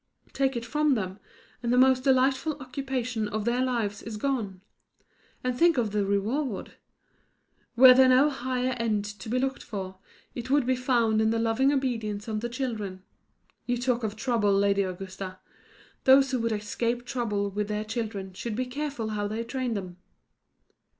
Take it from them, and the most delightful occupation of their lives is gone. And think of the reward! Were there no higher end to be looked for, it would be found in the loving obedience of the children. You talk of the trouble, Lady Augusta: those who would escape trouble with their children should be careful how they train them."